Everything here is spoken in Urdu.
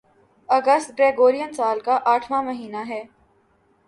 اگست گریگورین سال کا آٹھواں مہینہ ہے